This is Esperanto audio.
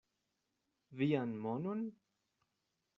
Vian monon?